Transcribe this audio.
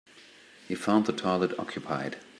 He found the toilet occupied.